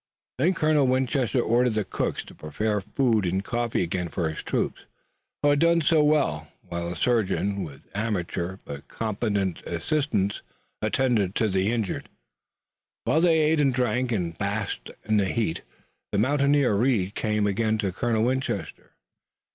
Then Colonel Winchester ordered the cooks to prepare food and coffee again for his troopers, who had done so well, while a surgeon, with amateur but competent assistants, attended to the hurt. While they ate and drank and basked in the heat, the mountaineer, Reed, came again to Colonel Winchester.